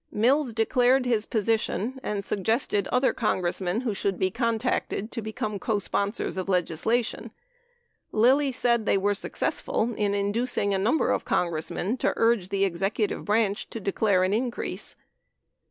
Mills declared his position and suggested other Congressmen who should be contacted to become cosponsors of legislation. Tally said they were successful in inducing a number of Congressmen to urge the executive branch to declare an increase.